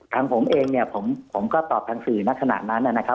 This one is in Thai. ทั้งผมเองผมก็ตอบทางสื่อมาขนาดนั้น